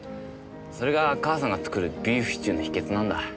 それが母さんが作るビーフシチューの秘訣なんだ。